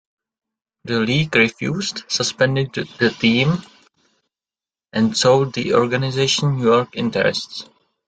The league refused, suspended the team and sold the organization New York interests.